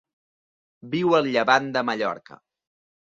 Viu al Llevant de Mallorca.